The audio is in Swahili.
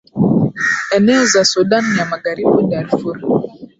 eneo za sudan ya magharibi darfur